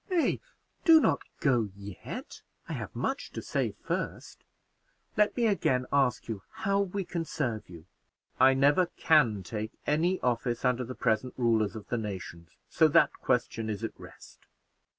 "Nay, do not go yet I have much to say first; let me again ask you how we can serve you." "I never can take any office under the present rulers of the nation, so that question is at rest."